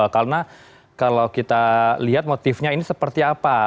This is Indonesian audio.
karena kalau kita lihat motifnya ini seperti apa